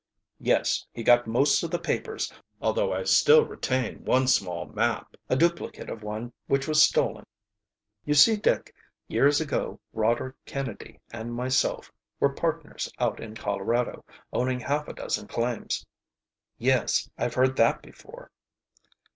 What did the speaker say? "Yes, he got most of the papers, although I still retain one small map, a duplicate of one which was stolen. You see, Dick, years ago Roderick Kennedy and myself were partners out in Colorado, owning half a dozen claims." "Yes; I've heard that before."